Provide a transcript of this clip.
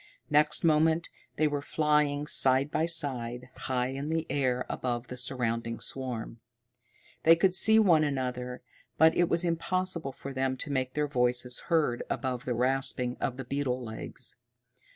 Next moment they were flying side by side, high in the air above the surrounding swarm. They could see one another, but it was impossible for them to make their voices heard above the rasping of the beetles' legs.